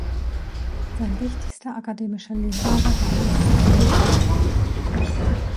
Sein wichtigster akademischer Lehrer war Hermann Aubin.